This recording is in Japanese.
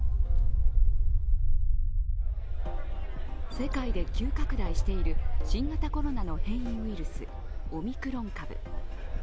世界で急拡大している新型コロナの変異ウイルス、オミクロン株。